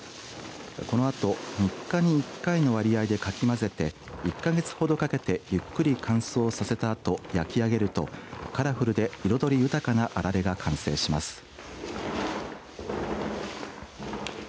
このあと３日に１回の割合でかきまぜて１か月ほどかけてゆっくり乾燥させたあと焼き上げるとカラフルで彩り豊かなあられが完成します。